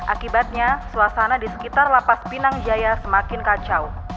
akibatnya suasana di sekitar lapas pinang jaya semakin kacau